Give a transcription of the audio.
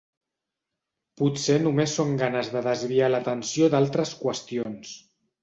Potser només són ganes de desviar l'atenció d'altres qüestions.